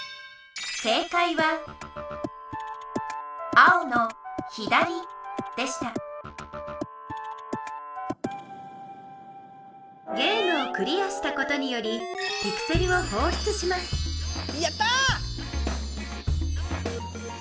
青の「左」でしたゲームをクリアしたことによりピクセルをほうしゅつしますやった！